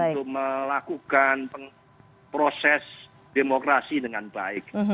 untuk melakukan proses demokrasi dengan baik